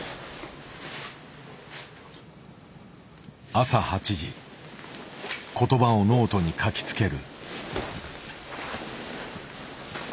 朝８時言葉をノートに書きつける。